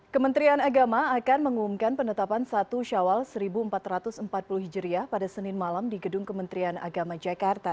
kementerian agama akan mengumumkan penetapan satu syawal seribu empat ratus empat puluh hijriah pada senin malam di gedung kementerian agama jakarta